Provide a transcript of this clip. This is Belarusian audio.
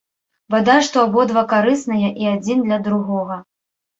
Бадай што абодва карысныя і адзін для другога.